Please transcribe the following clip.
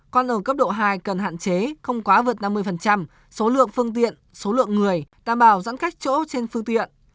còn ở cấp độ hai cần hạn chế không quá vượt năm mươi số lượng phương tiện số lượng người đảm bảo giãn cách chỗ trên phương tiện